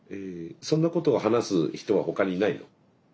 そんなことを話す人は他にいないの？